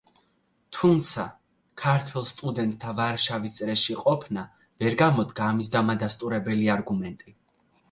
თუმცა, ქართველ სტუდენტთა ვარშავის წრეში ყოფნა ვერ გამოდგა ამის დამადასტურებელი არგუმენტი.